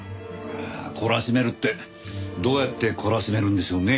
懲らしめるってどうやって懲らしめるんでしょうね？